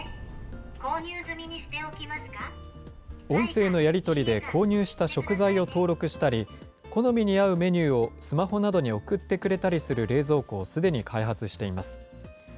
音声のやり取りで購入した食材を登録したり、好みに合うメニューをスマホなどに送ってくれたりする冷蔵庫をすでに開発しています。